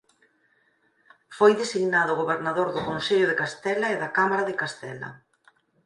Foi designado Gobernador do Consello de Castela e da Cámara de Castela.